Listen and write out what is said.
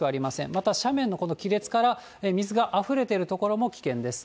また斜面のこの亀裂から水があふれている所も危険です。